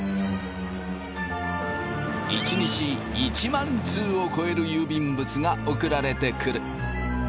１日１００００通を超える郵便物が送られてくる。